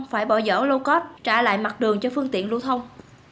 phải bỏ dỡ lô cốt trả lại mặt đường cho phương tiện lưu thông